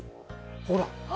ほら！